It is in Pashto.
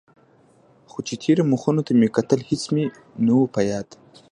خو چې تېرو مخونو ته مې کتل هېڅ مې نه و په ياد.